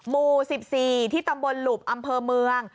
หมู่๑๔ที่ตำบลหลุบอำเภอเมือง